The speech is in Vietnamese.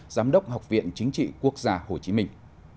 giám đốc học viện chính trị quốc gia hồ chí minh